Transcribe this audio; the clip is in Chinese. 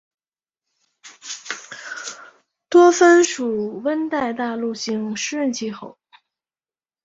多芬属温带大陆性湿润气候。